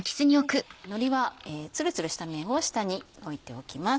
のりはつるつるした面を下に置いておきます。